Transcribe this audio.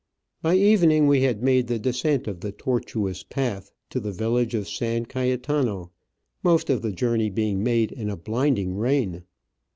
By evening we had made the descent of the tortuous path to the village of San Cayetano, most of the journey being made in a blinding rain.